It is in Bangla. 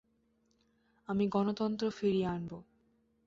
আমি গণতন্ত্র ফিরিয়ে আনব!